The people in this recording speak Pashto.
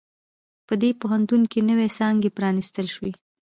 په دې پوهنتون کې نوی څانګي پرانیستل شوي